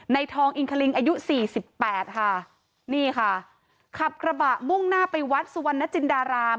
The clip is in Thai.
ในทองอิงคาริงอายุ๔๘ค่ะนี่ค่ะขับกระบะมุ่งหน้าไปวัดสวรรรณจิรรดาราม